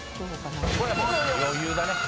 これはもう余裕だね。